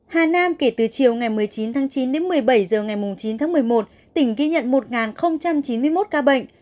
hà nam kể từ chiều một mươi chín chín đến một mươi bảy h ngày chín một mươi một tỉnh ghi nhận một chín mươi một ca bệnh